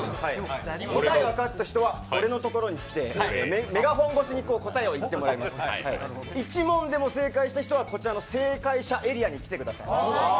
答え分かった人は俺のところにきて答えを言ってもらいます１問でも正解した人はこちらの正解者エリアに来てください。